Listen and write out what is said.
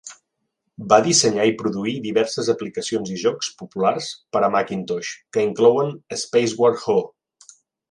Va dissenyar i produir diverses aplicacions i jocs populars per a Macintosh, que inclouen Spaceward Ho!